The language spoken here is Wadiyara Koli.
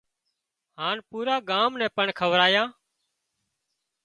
هانَ پُورا ڳام نين پڻ کورايان